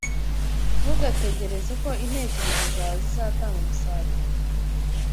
ntugategereze ko intekerezo zawe zizatanga umusaruro